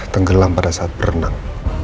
tenggelam pada saat berenang